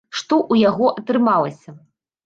Што ў яго атрымалася?